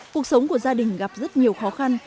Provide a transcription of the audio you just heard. cuộc sống của gia đình gặp rất nhiều khó khăn